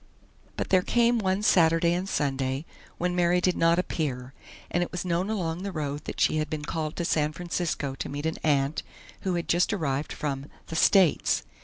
But there came one Saturday and Sunday when Mary did not appear, and it was known along the road that she had been called to San Francisco to meet an aunt who had just arrived from "the States."